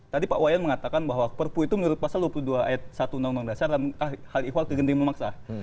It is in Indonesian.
tadi pak wayan mengatakan bahwa perpu itu menurut pasal dua puluh dua ayat satu undang undang dasar dan hal ikhwal kegenting memaksa